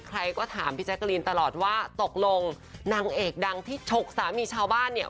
ใครก็ถามพี่แจ๊กรีนตลอดว่าตกลงนางเอกดังที่ฉกสามีชาวบ้านเนี่ย